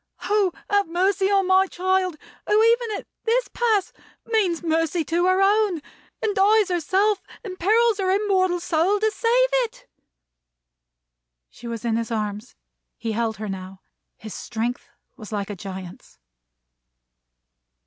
Oh, have mercy on my child, who, even at this pass, means mercy to her own, and dies herself, and perils her immortal soul, to save it!" She was in his arms. He held her now. His strength was like a giant's.